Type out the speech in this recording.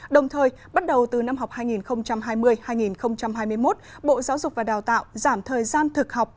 đồng thời bắt đầu từ năm học hai nghìn hai mươi hai nghìn hai mươi một bộ giáo dục và đào tạo giảm thời gian thực học